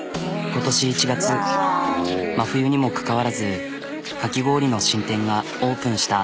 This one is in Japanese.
今年１月真冬にもかかわらずかき氷の新店がオープンした。